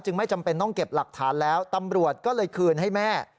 ไม่จำเป็นต้องเก็บหลักฐานแล้วตำรวจก็เลยคืนให้แม่